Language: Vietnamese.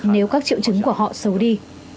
nếu các triệu chứng của họ xấu đi